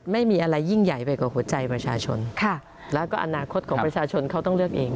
ไม่มีอะไรยิ่งใหญ่ไปกว่าหัวใจประชาชนแล้วก็อนาคตของประชาชนเขาต้องเลือกเอง